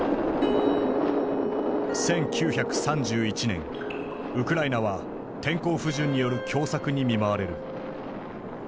１９３１年ウクライナは天候不順による凶作に見舞われる。